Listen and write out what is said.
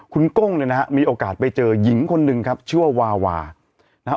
คุณก้งเนี่ยนะฮะมีโอกาสไปเจอหญิงคนหนึ่งครับชื่อว่าวาวานะฮะ